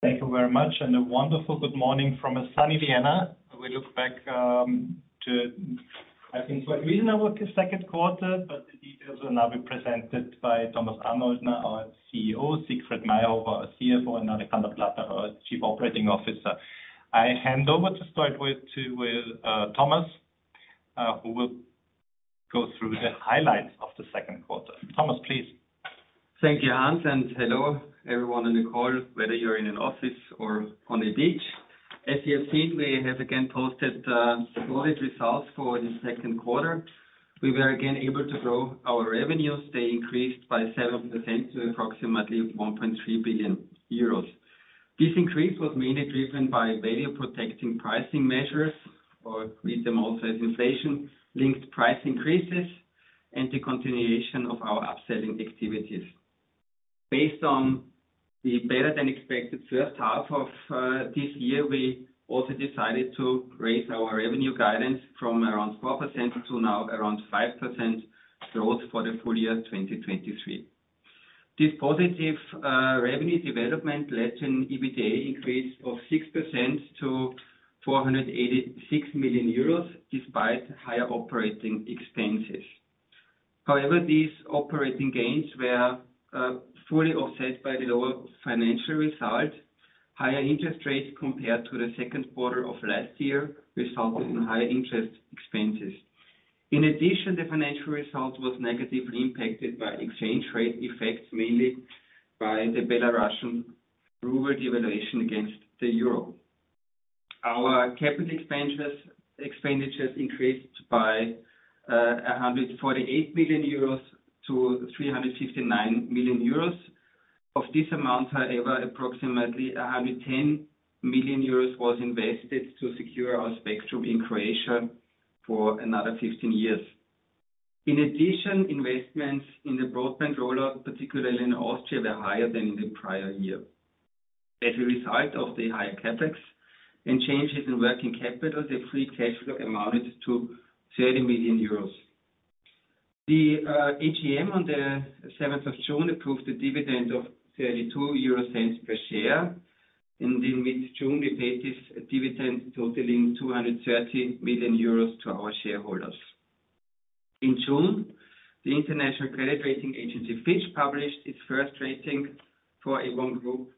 Thank you very much. A wonderful good morning from a sunny Vienna. We look back to, I think, quite reasonable second quarter, but the details will now be presented by Thomas Arnoldner, our CEO, Siegfried Mayrhofer, our CFO, and Alejandro Plater, our Chief Operating Officer. I hand over to start with to Thomas, who will go through the highlights of the second quarter. Thomas, please. Thank you, Hans. Hello, everyone on the call, whether you're in an office or on a beach. As you have seen, we have again posted solid results for the second quarter. We were again able to grow our revenues. They increased by 7% to approximately 1.3 billion euros. This increase was mainly driven by value-protecting pricing measures, or read them also as inflation-linked price increases, and the continuation of our upselling activities. Based on the better-than-expected first half of this year, we also decided to raise our revenue guidance from around 4% to now around 5% growth for the full year, 2023. This positive revenue development led to an EBITDA increase of 6% to 486 million euros, despite higher operating expenses. These operating gains were fully offset by the lower financial results. Higher interest rates compared to the second quarter of last year resulted in higher interest expenses. In addition, the financial result was negatively impacted by exchange rate effects, mainly by the Belarusian ruble devaluation against the euro. Our capital expenditures increased by 148 million euros to 359 million euros. Of this amount, however, approximately 110 million euros was invested to secure our spectrum in Croatia for another 15 years. In addition, investments in the broadband rollout, particularly in Austria, were higher than in the prior year. As a result of the higher CapEx and changes in working capital, the free cash flow amounted to 30 million euros. The AGM on the 7th of June approved a dividend of 0.32 per share. In mid-June, we paid this dividend totaling 230 million euros to our shareholders. In June, the International Credit Rating Agency, Fitch, published its first rating for A1 Group.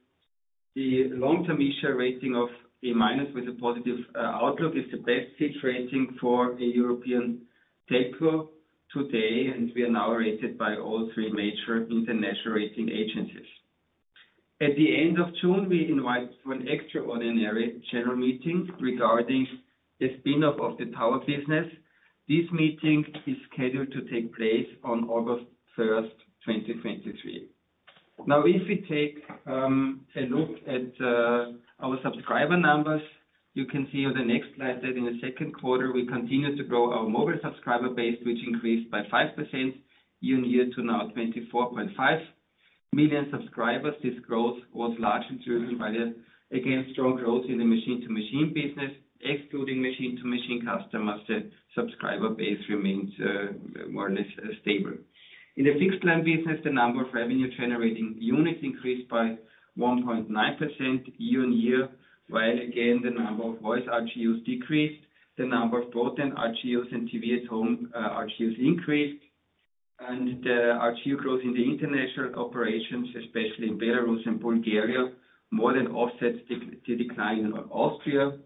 The long-term issue rating of A- with a positive outlook is the best Fitch rating for a European telco today, and we are now rated by all three major international rating agencies. At the end of June, we invited to an extraordinary general meeting regarding the spin-off of the tower business. This meeting is scheduled to take place on August 1st, 2023. If we take a look at our subscriber numbers, you can see on the next slide that in the second quarter, we continued to grow our mobile subscriber base, which increased by 5% year-over-year to now 24.5 million subscribers. This growth was largely driven by the, again, strong growth in the machine-to-machine business. Excluding machine-to-machine customers, the subscriber base remains more or less stable. In the fixed-line business, the number of revenue-generating units increased by 1.9% year-on-year, while again, the number of voice RGUs decreased, the number of broadband RGUs and TV at home RGUs increased, and the RGU growth in the international operations, especially in Belarus and Bulgaria, more than offsets the decline in Austria.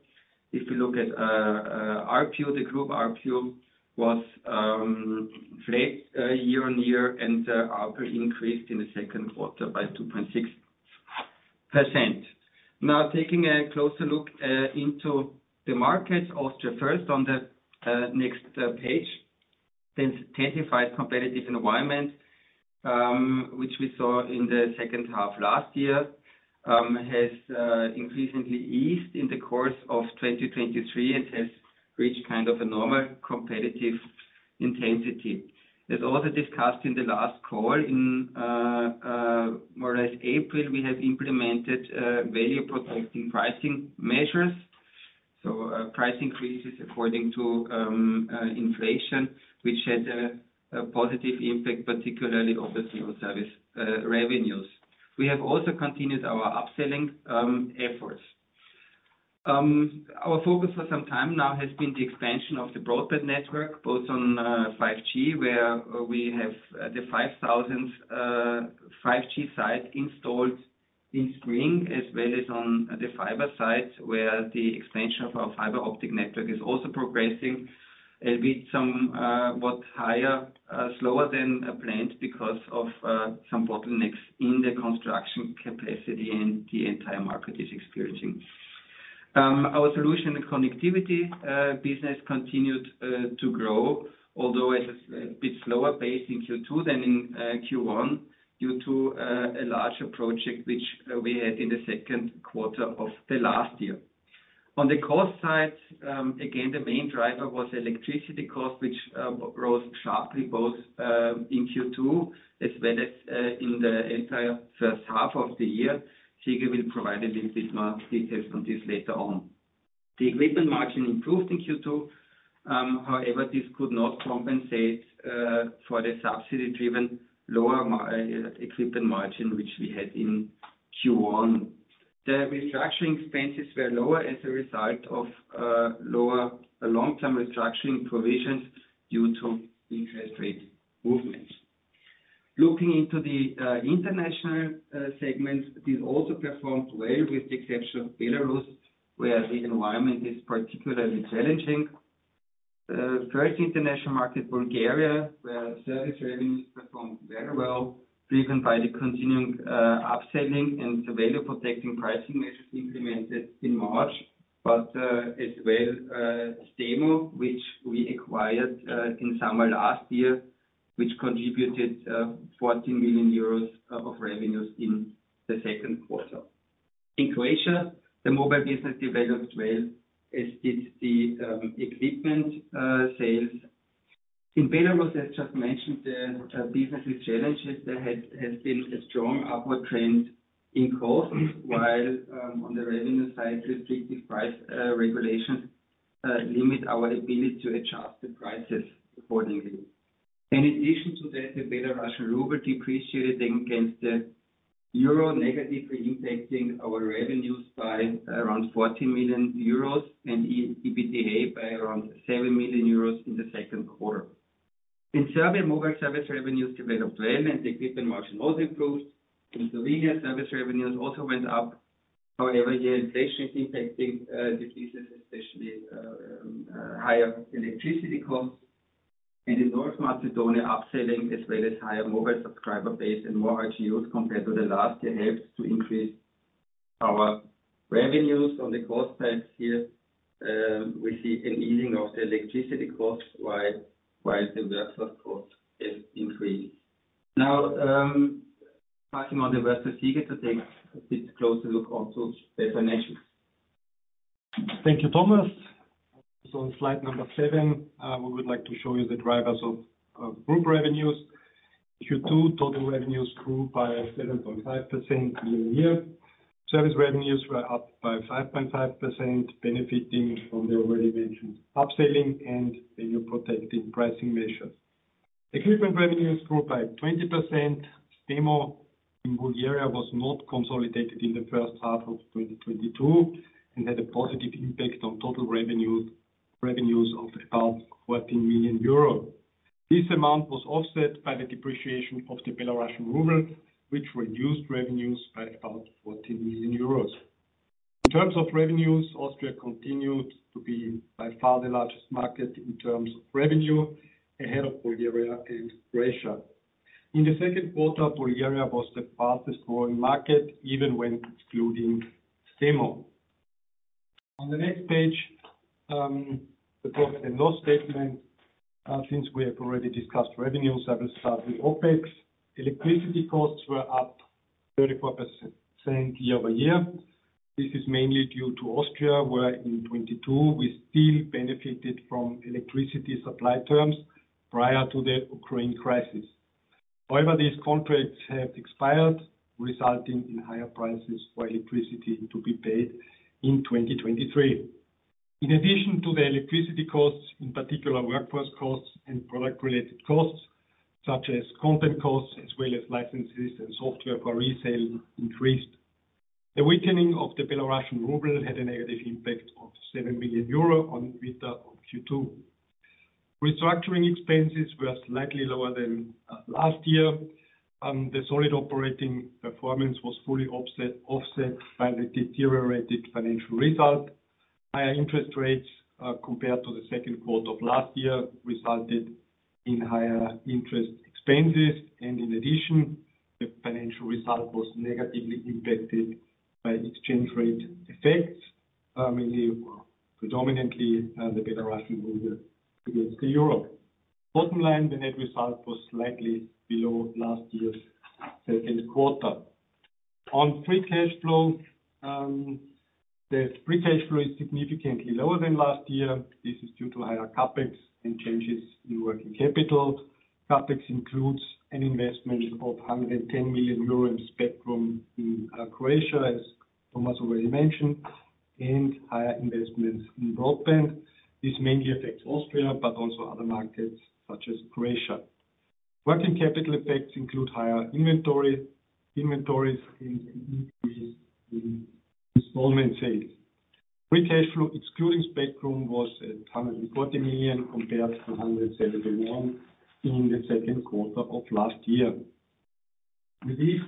If you look at ARPU, the group ARPU was flat year-on-year. ARPU increased in the second quarter by 2.6%. Taking a closer look into the markets, Austria first on the next page. The intensified competitive environment, which we saw in the second half last year, has increasingly eased in the course of 2023 and has reached kind of a normal competitive intensity. As also discussed in the last call, in more or less April, we have implemented value-protecting pricing measures, so price increases according to inflation, which had a positive impact, particularly on the zero-rating service revenues. We have also continued our upselling efforts. Our focus for some time now has been the expansion of the broadband network, both on 5G, where we have the 5,000th 5G site installed in spring, as well as on the fiber site, where the expansion of our fiber optic network is also progressing, a bit somewhat higher, slower than planned because of some bottlenecks in the construction capacity, and the entire market is experiencing. Our solution and connectivity business continued to grow, although at a bit slower pace in Q2 than in Q1, due to a larger project, which we had in the second quarter of the last year. On the cost side, again, the main driver was electricity cost, which rose sharply, both in Q2, as well as in the entire 1st half of the year. Siegfried will provide a little bit more details on this later on. The equipment margin improved in Q2, however, this could not compensate for the subsidy-driven lower equipment margin, which we had in Q1. The restructuring expenses were lower as a result of lower long-term restructuring provisions due to interest rate movements. Looking into the international segments, this also performed well, with the exception of Belarus, where the environment is particularly challenging. First international market, Bulgaria, where service revenues performed very well, driven by the continuing upselling and the value-protecting pricing measures implemented in March, but as well STEMO, which we acquired in summer last year, which contributed 14 million euros of revenues in the second quarter. In Croatia, the mobile business developed well, as did the equipment sales. In Belarus, as just mentioned, the business is challenges. There has been a strong upward trend in costs, while on the revenue side, restrictive price regulations limit our ability to adjust the prices accordingly. In addition to that, the Belarusian ruble depreciated against the euro, negatively impacting our revenues by around 14 million euros and EBITDA by around 7 million euros in the second quarter. In Serbia, mobile service revenues developed well, and the equipment margin also improved. In Slovenia, service revenues also went up. However, the inflation is impacting decreases, especially higher electricity costs. In North Macedonia, upselling, as well as higher mobile subscriber base and more ARPU compared to the last year, helps to increase our revenues on the cost side here, we see an easing of the electricity costs, while the workforce cost is increasing. Talking about the workforce, Sieg to take a bit closer look on those financial. Thank you, Thomas. On slide number seven, we would like to show you the drivers of group revenues. Q2, total revenues grew by 7.5% year-on-year. Service revenues were up by 5.5%, benefiting from the already mentioned upselling and the new protective pricing measures. Equipment revenues grew by 20%. STEMO in Bulgaria was not consolidated in the first half of 2022 and had a positive impact on total revenues of about 14 million euros. This amount was offset by the depreciation of the Belarusian ruble, which reduced revenues by about 14 million euros. In terms of revenues, Austria continued to be by far the largest market in terms of revenue, ahead of Bulgaria and Croatia. In the second quarter, Bulgaria was the fastest-growing market, even when excluding STEMO. On the next page, the profit and loss statement. Since we have already discussed revenues, I will start with OpEx. Electricity costs were up 34% year-over-year. This is mainly due to Austria, where in 2022, we still benefited from electricity supply terms prior to the Ukraine crisis. However, these contracts have expired, resulting in higher prices for electricity to be paid in 2023. In addition to the electricity costs, in particular, workforce costs and product-related costs, such as content costs, as well as licenses and software for resale increased. The weakening of the Belarusian ruble had a negative impact of 7 million euro on EBITDA of Q2. Restructuring expenses were slightly lower than last year. The solid operating performance was fully offset by the deteriorated financial result. Higher interest rates, compared to the second quarter of last year, resulted in higher interest expenses. In addition, the financial result was negatively impacted by exchange rate effects, mainly, predominantly, the Belarusian ruble against the euro. Bottom line, the net result was slightly below last year's second quarter. On free cash flow, the free cash flow is significantly lower than last year. This is due to higher CapEx and changes in working capital. CapEx includes an investment of 110 million euro in spectrum in Croatia, as Thomas already mentioned, and higher investments in broadband. This mainly affects Austria, but also other markets such as Croatia. Working capital effects include higher inventory, inventories in increase in installment sales. Free cash flow, excluding spectrum, was at 140 million, compared to 171 in the second quarter of last year. With this,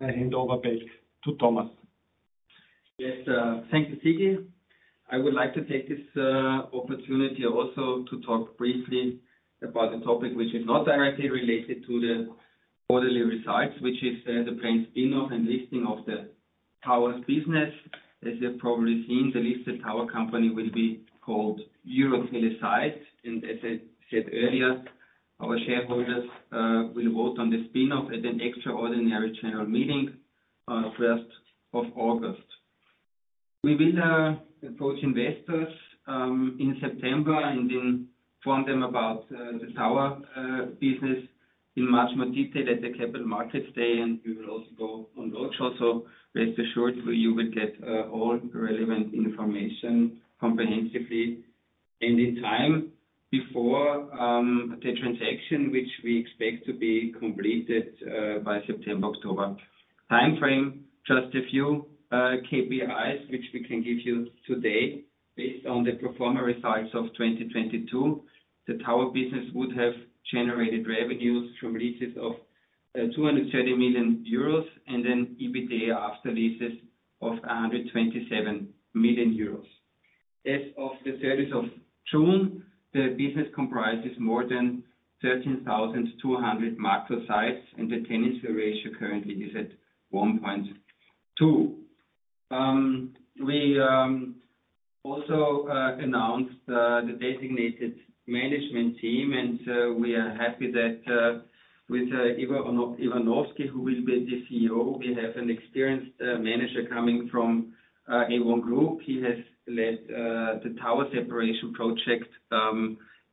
I hand over back to Thomas. Thank you, Sieg. I would like to take this opportunity also to talk briefly about the topic which is not directly related to the quarterly results, which is the planned spin-off and listing of the towers business. As you've probably seen, the listed tower company will be called EuroTeleSites, as I said earlier, our shareholders will vote on the spin-off at an extraordinary general meeting on 1st of August. We will approach investors in September inform them about the tower business in much more detail at the Capital Markets Day, we will also go on roadshow. Rest assured, you will get all relevant information comprehensively and in time before the transaction, which we expect to be completed by September, October. Timeframe, just a few KPIs, which we can give you today. Based on the pro forma results of 2022, the tower business would have generated revenues from leases of 230 million euros, and EBITDA after Leases of 127 million euros. As of the 30th of June, the business comprises more than 13,200 macro sites, and the tenancy ratio currently is at 1.2. We also announced the designated management team, and we are happy that with Ivo Ivanovski, who will be the CEO, we have an experienced manager coming from A1 Group. He has led the tower separation project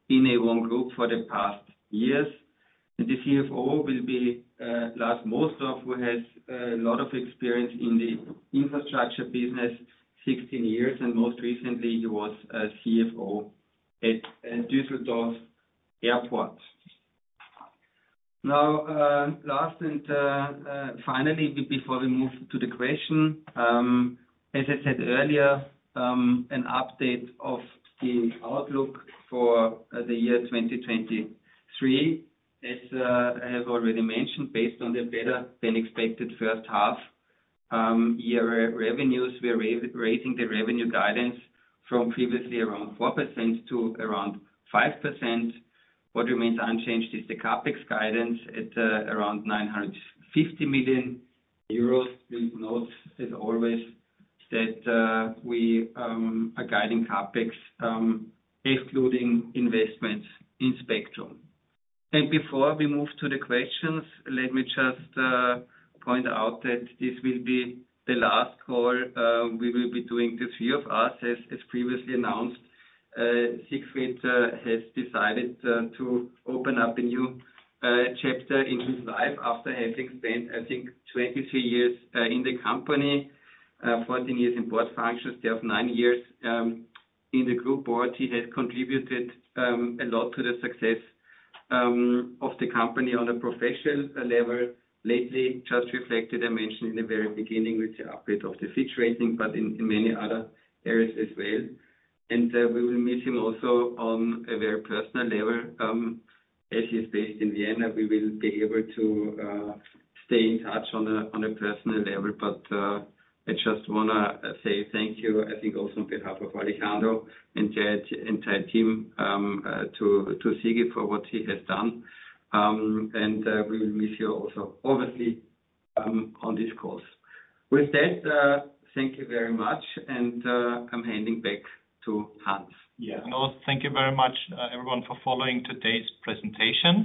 in A1 Group for the past years. The CFO will be Lars Mosdorf, who has a lot of experience in the infrastructure business, 16 years, and most recently, he was a CFO at Düsseldorf Airport. Now, last and finally, before we move to the question, as I said earlier, an update of the outlook for the year 2023. As I have already mentioned, based on the better-than-expected first half, year revenues, we are raising the revenue guidance from previously around 4% to around 5%. What remains unchanged is the CapEx guidance at around 950 million euros. Please note, as always, that we are guiding CapEx, excluding investments in spectrum. Before we move to the questions, let me just point out that this will be the last call we will be doing, the three of us, as previously announced. Siegfried has decided to open up a new chapter in his life after having spent, I think, 23 years in the company, 14 years in board functions, there of nine years in the group board. He has contributed a lot to the success of the company on a professional level. Lately, just reflected, I mentioned in the very beginning with the upgrade of the Fitch rating, but in many other areas as well. We will miss him also on a very personal level. As he is based in Vienna, we will be able to stay in touch on a personal level. I just want to say thank you, I think also on behalf of Alejandro and the entire team to Sieg for what he has done. We will miss you also, obviously, on these calls. With that, thank you very much, and, I'm handing back to Hans. Yeah. Also, thank you very much, everyone, for following today's presentation.